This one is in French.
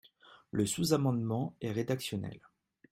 Le sous-amendement est rédactionnel.